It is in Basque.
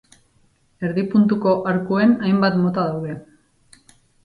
Erdi puntuko arkuen hainbat mota daude.